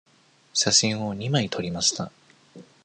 写真を二枚撮りました。